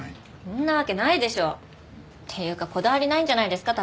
そんなわけないでしょ！っていうかこだわりないんじゃないんですか？